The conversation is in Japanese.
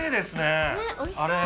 おいしそう！